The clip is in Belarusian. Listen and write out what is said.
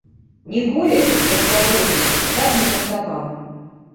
Ніколі, як сягоння, так не жартаваў.